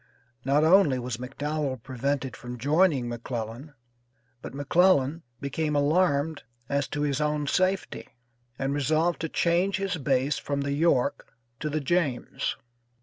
Not only was McDowell prevented from joining McClellan, but McClellan became alarmed as to his own safety, and resolved to change his base from the York to the James.